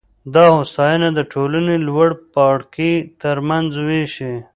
دا هوساینه د ټولنې لوړ پاړکي ترمنځ وېشي